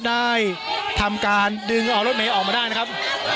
ได้ทำการดึงเอารถเมย์ออกมาได้นะครับ